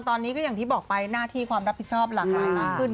ตอนนี้ก็อย่างที่บอกไปหน้าที่ความรับผิดชอบหลากหลายมากขึ้น